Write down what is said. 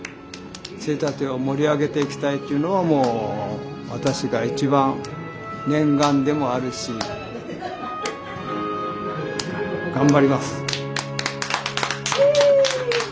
杖立を盛り上げていきたいっていうのがもう私が一番念願でもあるし頑張ります。